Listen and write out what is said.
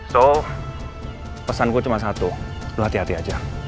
so pesan gue cuma satu lo hati hati aja